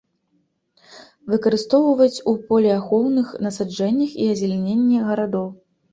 Выкарыстоўваюць у полеахоўных насаджэннях і азеляненні гарадоў.